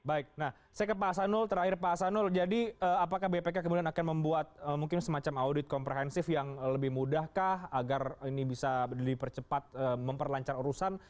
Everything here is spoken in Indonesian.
baik nah saya ke pak hasanul terakhir pak hasanul jadi apakah bpk kemudian akan membuat mungkin semacam audit komprehensif yang lebih mudahkah agar ini bisa dipercepat memperlancar urusan